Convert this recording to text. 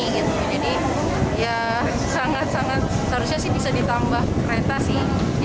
jadi ya sangat sangat seharusnya sih bisa ditambah kereta sih